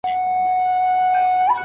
استاد به نوو شاګردانو ته لارښوونه کوي.